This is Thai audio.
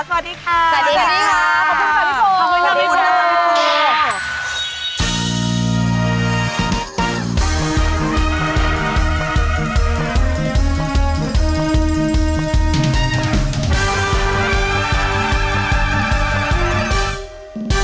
สวัสดีค่ะ